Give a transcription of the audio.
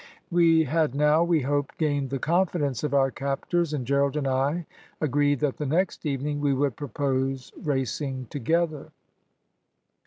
"We had now, we hoped, gained the confidence of our captors, and Gerald and I agreed that the next evening we would propose racing together.